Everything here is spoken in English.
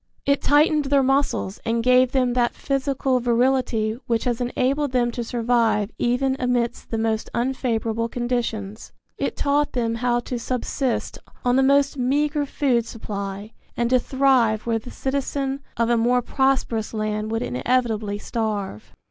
It tightened their muscles and gave them that physical virility which has enabled them to survive even amidst the most unfavorable conditions. It taught them how to subsist on the most meagre food supply and to thrive where the citizen of a more prosperous land would inevitably starve.